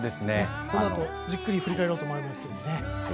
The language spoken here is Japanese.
このあとじっくり振り返ろうと思います。